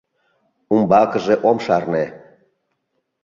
Умбакыже ом шарне.